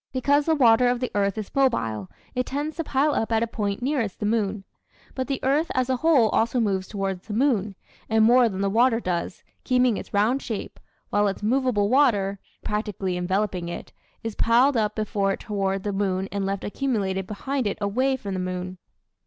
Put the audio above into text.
Because the water of the earth is mobile it tends to pile up at a point nearest the moon. But the earth as a whole also moves toward the moon, and more than the water does, keeping its round shape, while its movable water (practically enveloping it) is piled up before it toward the moon and left accumulated behind it away from the moon.